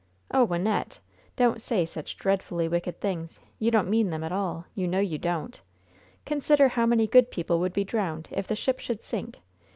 "Oh, Wynnette! Don't say such dreadfully wicked things! You don't mean them at all, you know you don't! Consider how many good people would be drowned if the ship should sink!